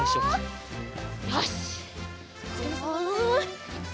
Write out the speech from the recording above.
よし！